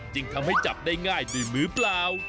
จึงทำให้จับได้ง่ายด้วยมือเปล่า